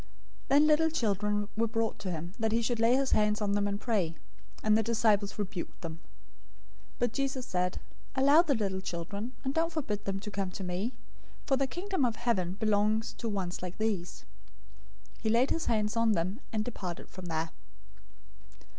019:013 Then little children were brought to him, that he should lay his hands on them and pray; and the disciples rebuked them. 019:014 But Jesus said, "Allow the little children, and don't forbid them to come to me; for the Kingdom of Heaven belongs to ones like these." 019:015 He laid his hands on them, and departed from there.